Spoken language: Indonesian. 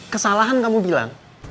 kesalahan kamu bilang